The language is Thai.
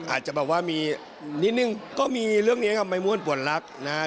อาจจะแบบว่ามีนิดหนึ่งก็มีเรื่องนี้นะครับมายมวลปวดลักษณ์นะครับ